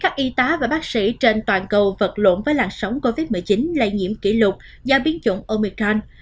các y tá và bác sĩ trên toàn cầu vật lộn với làn sóng covid một mươi chín lây nhiễm kỷ lục do biến chủng omican